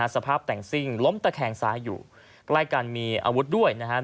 สภาพแต่งซิ่งล้มตะแคงซ้ายอยู่ใกล้กันมีอาวุธด้วยนะครับ